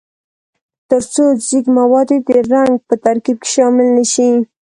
ترڅو ځیږ مواد یې د رنګ په ترکیب کې شامل نه شي.